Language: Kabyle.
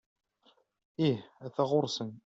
Ih, ata ɣuṛ-sen.